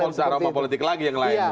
itu polsa romah politik lagi yang lain